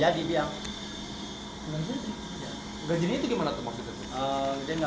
gak jadi itu gimana tempatnya